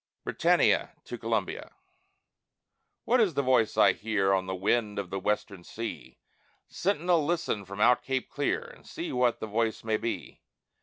BRITANNIA TO COLUMBIA What is the voice I hear On the wind of the Western Sea? Sentinel, listen from out Cape Clear, And say what the voice may be.